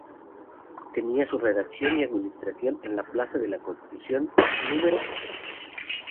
Tenía su redacción y administración en la plaza de la Constitución, núm.